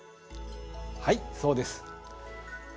はいそうです。